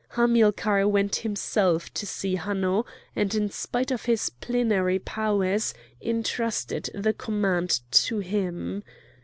Hamilcar went himself to see Hanno, and, in virtue of his plenary powers, intrusted the command to him.